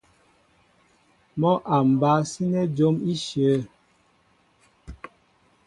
Mɔ́ a ba sínɛ́ jǒm éshe.